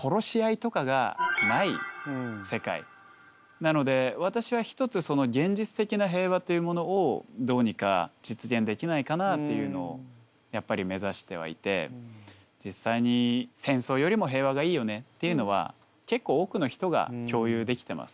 なので私は一つその現実的な平和というものをどうにか実現できないかなっていうのをやっぱり目指してはいて実際に戦争よりも平和がいいよねっていうのは結構多くの人が共有できてます。